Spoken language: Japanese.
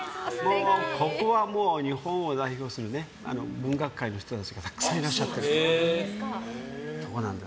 ここは日本を代表する文学界の方たちが、たくさんいらっしゃったところなんです。